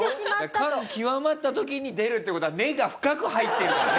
感極まった時に出るって事は根が深く入ってるからね。